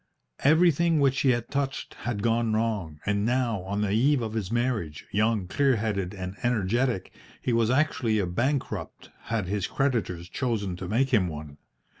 Everything which he had touched had gone wrong, and now, on the eve of his marriage, young, clear headed, and energetic, he was actually a bankrupt had his creditors chosen to make him one.